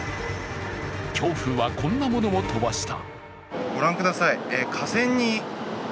強風は、こんなものも飛ばした。